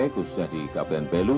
khususnya di kabupaten belu